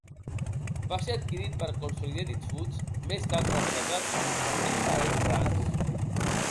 Va ser adquirit per Consolidated Foods, més tard rebatejat com a Hillshire Brands.